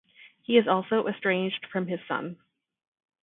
He is also estranged from his son.